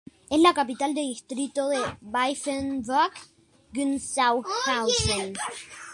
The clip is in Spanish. Es la capital del Distrito de Weißenburg-Gunzenhausen.